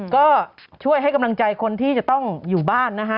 ก็ช่วยให้กำลังใจคนที่จะต้องอยู่บ้านนะฮะ